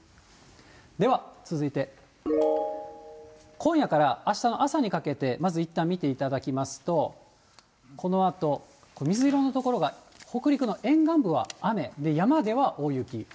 では続いて、今夜からあしたの朝にかけて、まずいったん見ていただきますと、このあと水色の所が、北陸の沿岸部は雨で、山では大雪。